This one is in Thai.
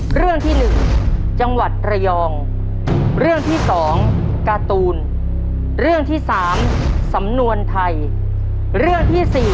เพิร์ดเลือกเรื่องอะไรลูก